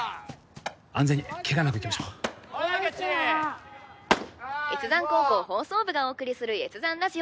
安全にケガなくいきましょう越山高校放送部がお送りする越山ラジオ